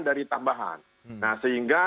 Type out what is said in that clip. dari tambahan nah sehingga